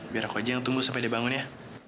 biar aku aja yang tunggu sampai dia bangun ya